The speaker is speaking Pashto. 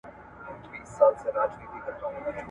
• هر چيري چي ولاړ سې، دغه حال دئ.